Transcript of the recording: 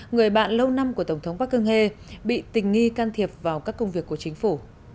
người bạn lâu năm của tổng thống park geun hye bị tình nghi can thiệp vào các công việc của chính phủ